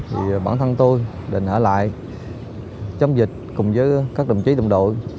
thì bản thân tôi định ở lại chống dịch cùng với các đồng chí đồng đội